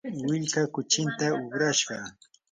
willkaa kuchinta uqrashqa.